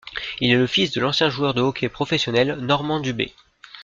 Il est le fils de l'ancien joueur de hockey professionnel Normand Dubé.